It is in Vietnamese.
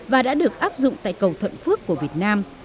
và đã được áp dụng tại cầu thuận phước của việt nam